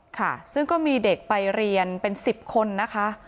ค่ะซึ่งก็มีเด็กไปเรียนเป็น๑๐คนนะคะ